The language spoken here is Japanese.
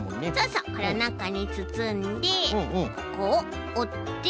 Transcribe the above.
これをなかにつつんでここをおって。